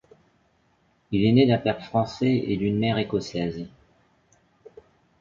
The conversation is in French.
Il est né d'un père français et d'une mère écossaise.